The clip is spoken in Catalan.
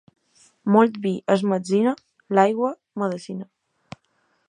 Molt vi és metzina, l'aigua, medecina.